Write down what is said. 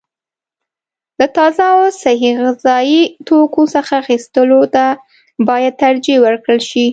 له تازه او صحي غذايي توکو څخه اخیستلو ته باید ترجیح ورکړل شي.